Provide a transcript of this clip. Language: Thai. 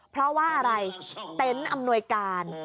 เพราะว่าอะไรเต็นต์อำนวยการ